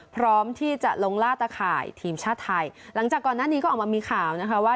พร้อมที่จะลงล่าตะข่ายทีมชาติไทยหลังจากก่อนหน้านี้ก็ออกมามีข่าวนะคะว่า